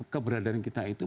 keberadaan kita itu